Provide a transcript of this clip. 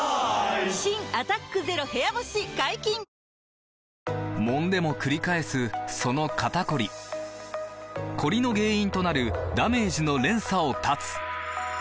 新「アタックＺＥＲＯ部屋干し」解禁‼もんでもくり返すその肩こりコリの原因となるダメージの連鎖を断つ！